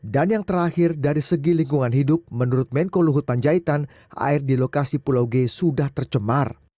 dan yang terakhir dari segi lingkungan hidup menurut menko luhut panjaitan air di lokasi pulau g sudah tercemar